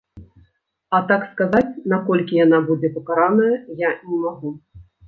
А так сказаць, на колькі яна будзе пакараная, я не магу.